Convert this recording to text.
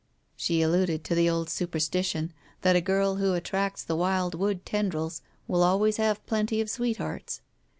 She alluded to the old superstition that a girl who attracts the wild wood tendrils will always have plenty of sweethearts.